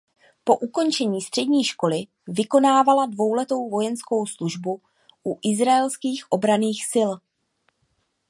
Po ukončení střední školy vykonávala dvouletou vojenskou službu u Izraelských obranných sil.